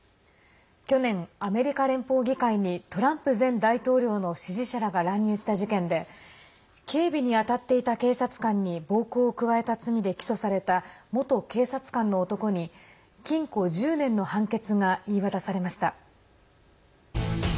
去年、アメリカ連邦議会にトランプ前大統領の支持者らが乱入した事件で警備に当たっていた警察官に暴行を加えた罪で起訴された元警察官の男に、禁錮１０年の判決が言い渡されました。